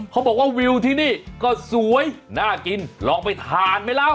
เขาบอกว่าวิวที่นี่ก็สวยน่ากินลองไปทานไหมเล่า